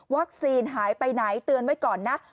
วัคซีนหายไปไหนเตือนไว้ก่อนนะ